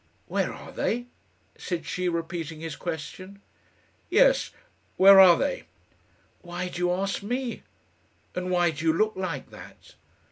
"Where are they?" said she, repeating his question. "Yes; where are they?" "Why do you ask me? And why do you look like that?"